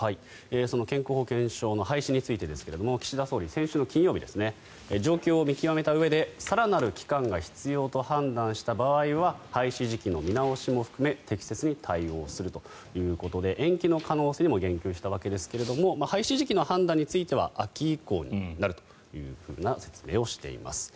その健康保険証の廃止についてですが岸田総理、先週金曜日状況を見極めたうえで更なる期間が必要と判断した場合は廃止時期の見直しも含め適切に対応するということで延期の可能性にも言及したわけですが廃止時期の判断については秋以降になるという説明をしています。